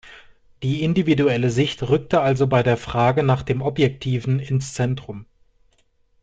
Die individuelle Sicht rückte also bei der Frage nach dem Objektiven ins Zentrum.